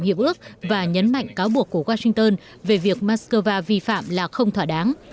hiệp ước và nhấn mạnh cáo buộc của washington về việc moscow vi phạm là không thỏa đáng